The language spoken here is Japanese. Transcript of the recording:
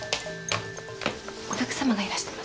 お客さまがいらしてます。